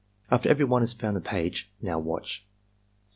'' After every one has found the page, "Now watch."